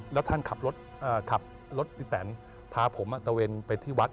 แล้วท่านขับรถทริตนพาผมนักละเวนไปที่วัด